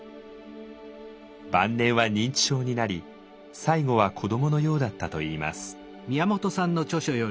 晩年は認知症になり最期は子どものようだったといいます。